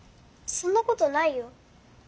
そんなことないよ。